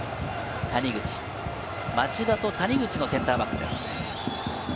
谷口、町田と谷口のセンターバックです。